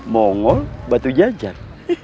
mongol batu jajar